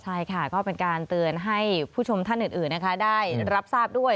ใช่ค่ะก็เป็นการเตือนให้ผู้ชมท่านอื่นนะคะได้รับทราบด้วย